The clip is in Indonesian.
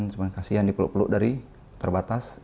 cuma kasihan dipeluk peluk dari terbatas